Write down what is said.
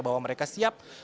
bahwa mereka siap